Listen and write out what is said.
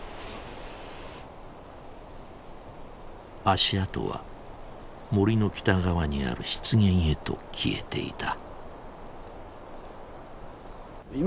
足跡は森の北側にある湿原へと消えていた。